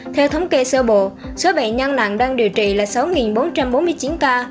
theo thống kê sơ bộ số bệnh nhân nặng đang điều trị là sáu bốn trăm bốn mươi chín ca